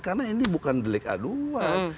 karena ini bukan delik aduan